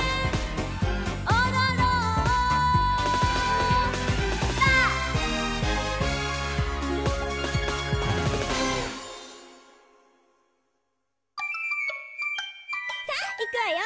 「おどろんぱ！」さあいくわよ。